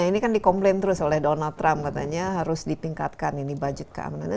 ini kan dikomplain terus oleh donald trump katanya harus ditingkatkan ini budget keamanan